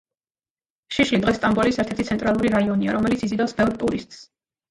შიშლი დღეს სტამბოლის ერთ-ერთი ცენტრალური რაიონია, რომელიც იზიდავს ბევრ ტურისტს.